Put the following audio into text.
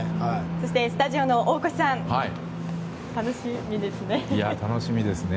そしてスタジオの大越さん楽しみですね。